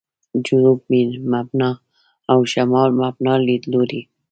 «جنوب مبنا» او «شمال مبنا» لیدلوري.